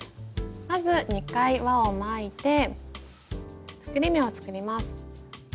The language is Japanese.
まず２回輪を巻いて作り目を作ります。